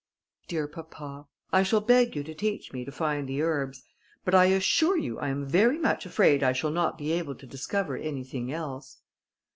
"Dear papa, I shall beg you to teach me to find the herbs; but I assure you I am very much afraid I shall not be able to discover anything else."